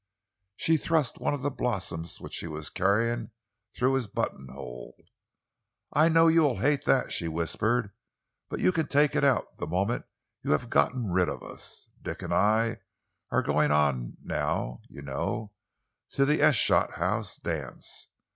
She thrust one of the blossoms which she was carrying through his buttonhole. "I know you will hate that," she whispered, "but you can take it out the moment you have gotten rid of us. Dick and I are going on now, you know, to the Esholt House dance.